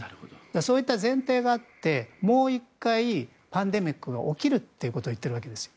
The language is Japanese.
そういった前提があってもう１回パンデミックが起きるということを言ってるわけです。